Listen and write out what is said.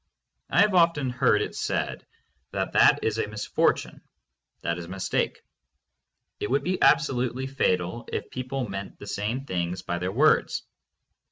I have often heard it said that that is a misfortune. That is a mistake. It would be absolutely fatal if people meant the same things by their words.